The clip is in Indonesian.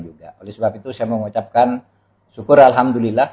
oleh sebab itu saya mengucapkan syukur alhamdulillah